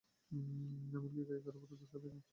এমনকি গায়িকার উপরও দোষ চাপিয়ে দেন!